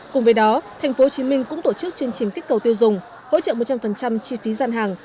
cùng với đó tp hcm cũng tổ chức chương trình kích cầu tiêu dùng hỗ trợ một trăm linh chi phí gian hàng